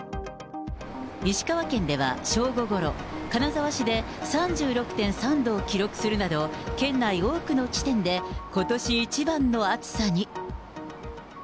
石川県では正午ごろ、金沢市で３６．３度を記録するなど、県内多くの地点でことし一番の暑さに。